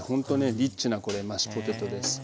リッチなこれマッシュポテトです。